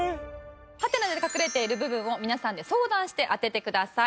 ハテナで隠れている部分を皆さんで相談して当ててください。